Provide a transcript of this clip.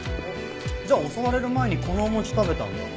じゃあ襲われる前にこのお餅食べたんだ。